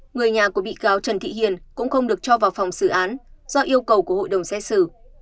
người nhà của bị cáo trần thị hiền cũng không được cho vào phòng xử án do yêu cầu của hội đồng xét xử